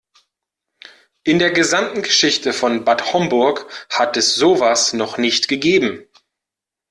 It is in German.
In der gesamten Geschichte von Bad Homburg hat es sowas noch nicht gegeben.